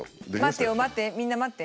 待ってよ待って。